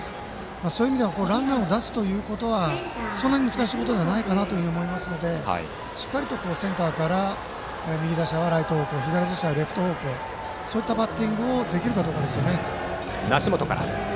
そういう意味ではランナーを出すということはそんなに難しいことではないと思いますので、しっかりとセンターから、右打者はライト方向左打者はレフト方向というバッティングをバッター、梨本から。